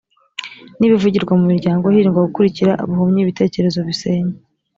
n ibivugirwa mu miryango hirindwa gukurikira buhumyi ibitekerezo bisenya